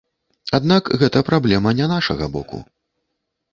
Аднак гэта праблема не нашага боку.